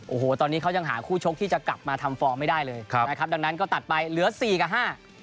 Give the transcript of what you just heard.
โอ้โหตอนนี้เขายังหาคู่ชกที่จะกลับมาทำฟอร์มไม่ได้เลยดังนั้นก็ตัดไปเหลือ๔กับ๕